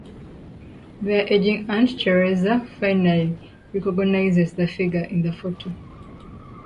Their aging aunt Teresa finally recognizes the figure in the photo.